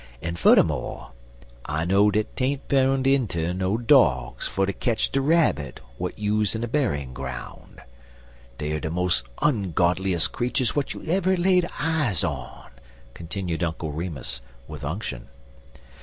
En, fuddermo', I know dat 'tain't proned inter no dogs fer ter ketch de rabbit w'at use in a berryin' groun'. Dey er de mos' ongodlies' creeturs w'at you ever laid eyes on," continued Uncle Remus, with unction.